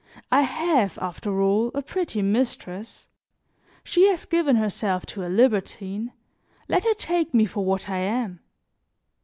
I have, after all, a pretty mistress; she has given herself to a libertine, let her take me for what I am."